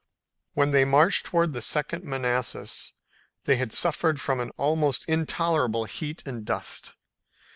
When they marched toward the Second Manassas they had suffered from an almost intolerable heat and dust.